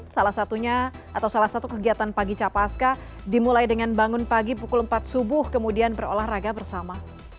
salah satunya atau salah satu kegiatan pagi capaska dimulai dengan bangun pagi pukul empat subuh kemudian berolahraga bersama